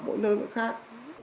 mỗi nơi nó khác